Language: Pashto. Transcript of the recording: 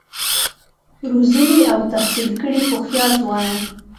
روزلي او تحصیل کړي هوښیار ځوانان